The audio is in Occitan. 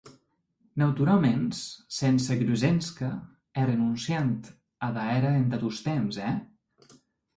Naturauments, sense Grushenka e renonciant ada era entà tostemp, è?